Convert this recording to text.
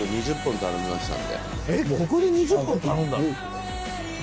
ここで２０本頼んだの？